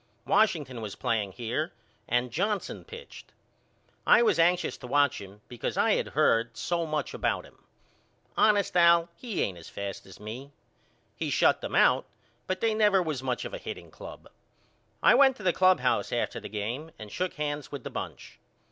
Washington was playing here and Johnson pitched. I was anxious to watch him because I had heard so much about him. Honest Al he ain't as fast as me. He shut them out, but they never was much of a hitting club. I went to the clubhouse after the game and shook hands with the bunch.